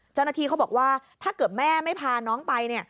เจ้าหน้าที่เขาบอกว่าถ้าเกิดแม่ไม่พาน้องไป